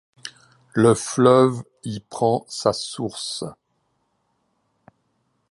Le fleuve y prend sa source.